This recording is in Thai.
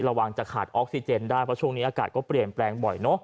ระวังจะขาดออกซิเจนได้เพราะช่วงนี้อากาศก็เปลี่ยนแปลงบ่อยเนอะ